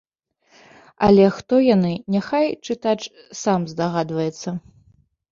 Але хто яны, няхай чытач сам здагадваецца.